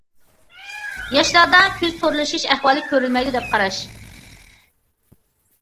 ياشلاردا كۆز تورلىشىش ئەھۋالى كۆرۈلمەيدۇ، دەپ قاراش.